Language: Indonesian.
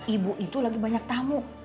ibu itu lagi banyak tamu